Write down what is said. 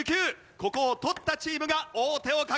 ここを取ったチームが王手をかけます。